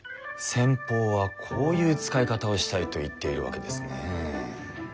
先方はこういう使い方をしたいと言っているわけですね。